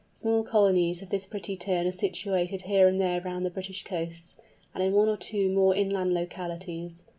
Small colonies of this pretty Tern are situated here and there round the British coasts, and in one or two more inland localities.